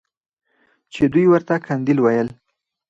چې دوى ورته قنديل ويل.